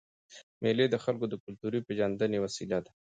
مېلې د خلکو د کلتوري پېژندني وسیله ده.